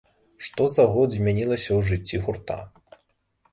Што за год змянілася ў жыцці гурта?